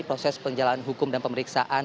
proses penjalanan hukum dan pemeriksaan